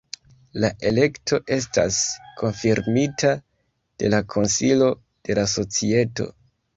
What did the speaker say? La elekto estas konfirmita de la Konsilo de la Societo.